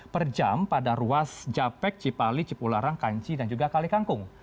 per jam pada ruas japek cipali cipularang kanci dan juga kalikangkung